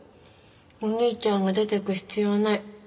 お兄ちゃんが出ていく必要ない。